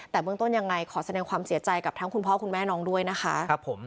แต่เบื้องต้นยังไงขอแสดงความเสียใจกับทั้งคุณพ่อคุณแม่น้องด้วยนะคะ